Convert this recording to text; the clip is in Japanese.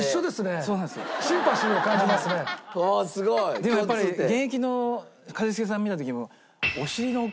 でもやっぱり現役の一茂さん見た時。